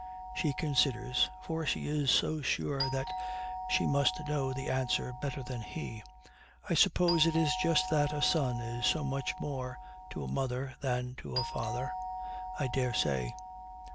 She considers, for she is so sure that she must know the answer better than he. 'I suppose it is just that a son is so much more to a mother than to a father.' 'I daresay.'